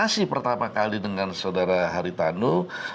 sejak hari tanu